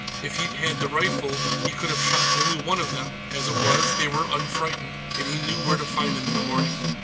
If he'd had the rifle, he could have shot only one of them. As it was, they were unfrightened, and he knew where to find them in the morning.